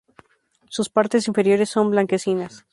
Sus partes inferiores son blanquecinas.